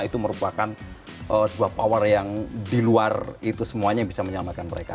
itu merupakan sebuah power yang di luar itu semuanya bisa menyelamatkan mereka